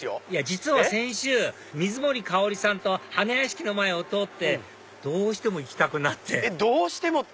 実は先週水森かおりさんと花やしきの前を通ってどうしても行きたくなって「どうしても」って！